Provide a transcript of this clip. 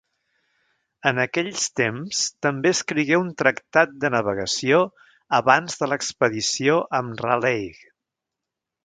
En aquells temps també escrigué un tractat de navegació abans de l'expedició amb Raleigh.